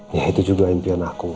ya itu juga impian aku